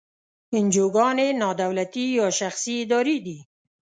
انجوګانې نا دولتي یا شخصي ادارې دي.